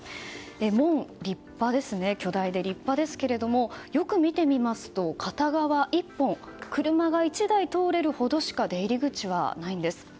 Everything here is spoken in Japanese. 門、巨大で立派ですけれどもよく見てみますと、片側１本車が１台通れるほどしか出入り口はないんです。